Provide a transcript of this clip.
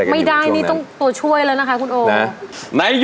ไม่ใช่